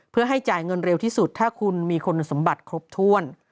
เพื่อให้จ่ายเงินเร็วที่สุดถ้าคุณมีคุณสมบัติครบถ้วน